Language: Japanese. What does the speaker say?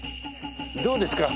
どうですか？